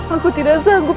aku tidak sanggup